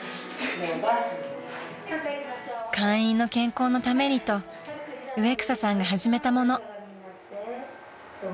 ［会員の健康のためにと植草さんが始めたもの］